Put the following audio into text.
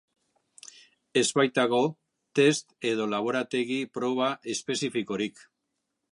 Ez baitago test edo laborategi froga espezifikorik.